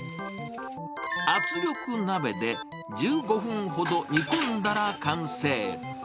圧力鍋で１５分ほど煮込んだら完成。